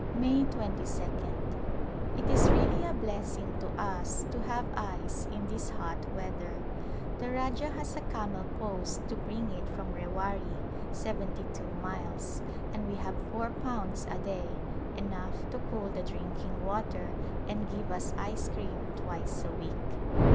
May 2 2d. It is really a blessing to us to have ice in this hot weather. The Rajah has a camel post to bring it from Rewari — seventy two miles — and we have four pounds a day, enough to cool the drinking water and give us ice cream twice a week.